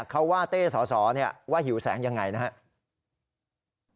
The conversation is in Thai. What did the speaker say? เขาว่าเต้สอสอว่าหิวแสงยังไงนะครับ